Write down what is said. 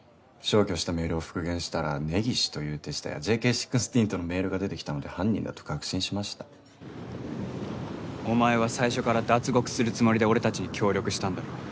消去したメールを復元したら根岸という手下やＪＫ１６とのメールが出てきたので犯人だと確信しましたお前は最初から脱獄するつもりで俺達に協力したんだろ？